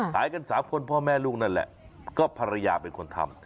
ขายกัน๓คนพ่อแม่ลูกนั่นแหละก็ภรรยาเป็นคนทำ